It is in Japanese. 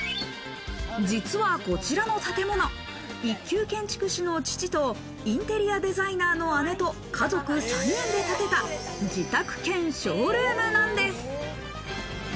実はこちらの建物、一級建築士の父と、インテリアデザイナーの姉と、家族３人で建てた自宅兼ショールームなんです。